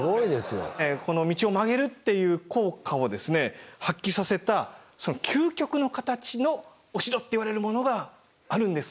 この道を曲げるっていう効果を発揮させた究極の形のお城っていわれるものがあるんです。